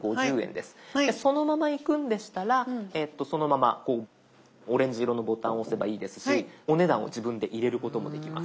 でそのまま行くんでしたらそのままオレンジ色のボタンを押せばいいですしお値段を自分で入れることもできます。